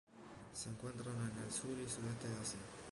Se encuentran en el sur y sudoeste de Asia.